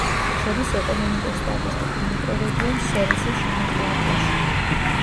შედის ეკონომიკურ-სტატისტიკურ მიკრორეგიონ სერისის შემადგენლობაში.